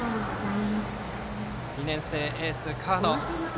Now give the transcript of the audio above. ２年生エース、河野。